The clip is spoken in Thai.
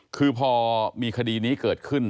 คือพอมีคดีนี้เกิดขึ้น